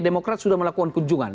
demokrat sudah melakukan kunjungan